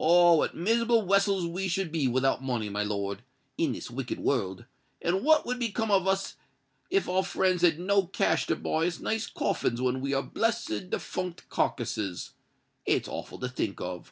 "Ah! what miserable wessels we should be without money, my lord—in this wicked world;—and what would become of us if our friends had no cash to buy us nice coffins when we are blessed defunct carkisses? It's awful to think of!